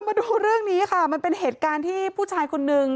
มาดูเรื่องนี้ค่ะมันเป็นเหตุการณ์ที่ผู้ชายคนนึง